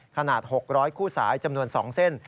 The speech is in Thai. ขนาด๖๐๐คู่สายจำนวน๒เส้น